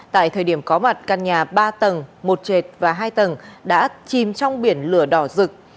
tại thời điểm có mặt căn nhà ba tầng một trệt và hai tầng đã chìm trong biển lửa đỏ rực